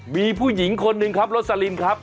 มีผู้หญิงคนหนึ่งครับโรสลินครับ